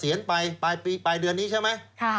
เปลี่ยนไปปลายเดือนนี้ใช่ไหม